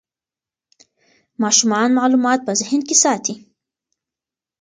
ماشومان معلومات په ذهن کې ساتي.